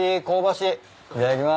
香ばしい。